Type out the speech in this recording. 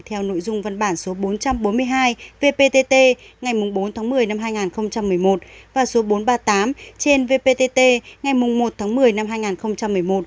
theo nội dung văn bản số bốn trăm bốn mươi hai vpt ngày bốn tháng một mươi năm hai nghìn một mươi một và số bốn trăm ba mươi tám trên vpt ngày một tháng một mươi năm hai nghìn một mươi một